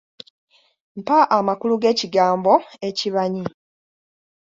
Mpa amakulu g’ekigambo ekibanyi